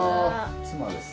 妻です。